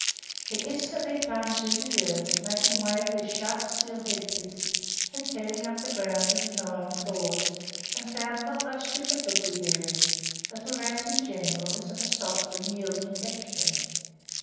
He instantly plunged into the earth, making way with his sharp steel head piece, and tearing up the ground with his iron claws, and found not much difficulty therein, as morass in general is of a soft and yielding texture.